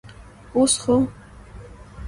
اوس خو.